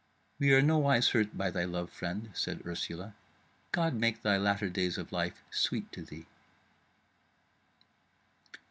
"We are nowise hurt by thy love, friend," said Ursula; "God make thy latter days of life sweet to thee!"